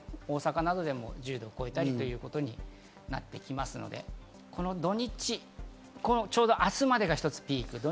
大阪などでも１０度を超えたり、ということになってきますので、この土日、ちょうど明日までが一つピーク。